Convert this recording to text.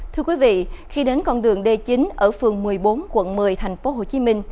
thưa quý vị khi đến con đường d chín ở phường một mươi bốn quận một mươi tp hcm